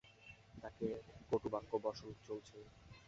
তাঁকে কটুবাক্য বর্ষণ চলছেই।